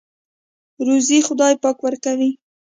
روزۍ خدای پاک ورکوي.